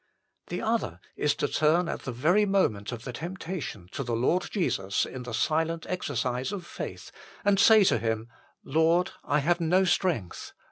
The other is to turn at the very moment of the temptation to the Lord Jesus in the silent exercise of faith and say to Him :" Lord, I have no strength.